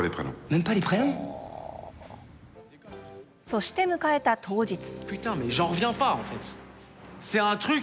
そして、迎えた当日。